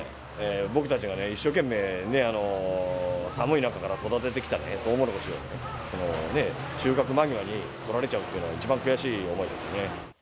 僕たちがね、一生懸命ね、寒い中から育ててきたトウモロコシをね、収穫間際にとられちゃうというのは、一番悔しい思いですね。